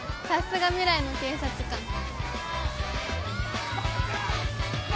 さすが未来の警察官。